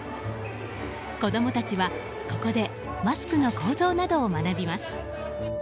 子供たちは、ここでマスクの構造などを学びます。